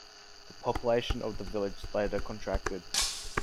The population of the village later contracted.